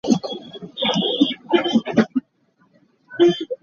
A Laiholh a pei tikah Laimi a si lo kan theih.